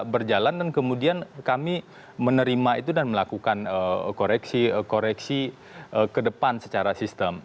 berjalan dan kemudian kami menerima itu dan melakukan koreksi ke depan secara sistem